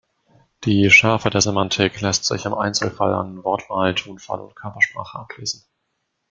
Die Schärfe der Semantik lässt sich im Einzelfall an Wortwahl, Tonfall und Körpersprache ablesen.